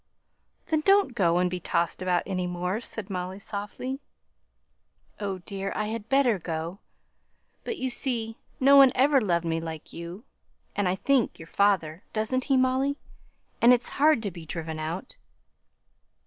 "Then, don't go and be tossed about any more," said Molly, softly. "Oh, dear! I had better go. But, you see, no one ever loved me like you, and, I think, your father doesn't he, Molly? And it's hard to be driven out."